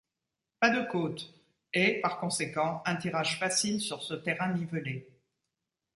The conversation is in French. Pas de côtes, et, par conséquent, un tirage facile sur ce terrain nivelé.